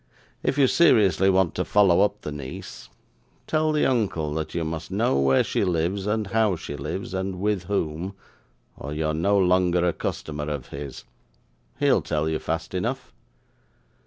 If you seriously want to follow up the niece, tell the uncle that you must know where she lives and how she lives, and with whom, or you are no longer a customer of his. He'll tell you fast enough.